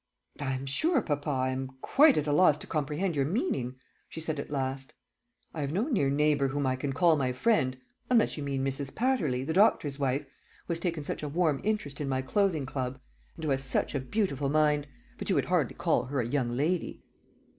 "I am sure, papa, I am quite at a loss to comprehend your meaning," she said at last. "I have no near neighbour whom I can call my friend, unless you mean Mrs. Patterly, the doctor's wife, who has taken such a warm interest in my clothing club, and who has such a beautiful mind. But you would hardly call her a young lady."